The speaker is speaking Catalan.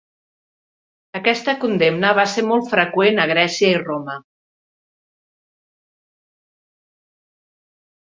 Aquesta condemna va ser molt freqüent a Grècia i Roma.